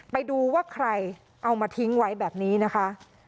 ไปดูว่าใครเอามาทิ้งไว้แบบนี้นะคะ